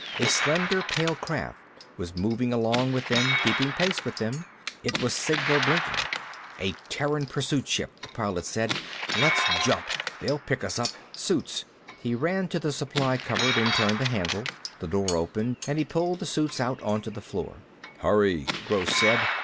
A slender pale craft was moving along with them, keeping pace with them. It was signal blinking. "A Terran pursuit ship," the Pilot said. "Let's jump. They'll pick us up. Suits " He ran to a supply cupboard and turned the handle. The door opened and he pulled the suits out onto the floor. "Hurry," Gross said.